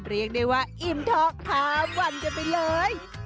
เรียกได้ว่าอิ่มท็อกข้ามวันกันไปเลย